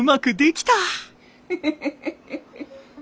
フフフフフ。